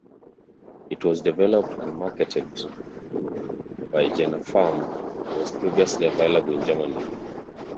It was developed and marketed by Jenapharm and was previously available in Germany.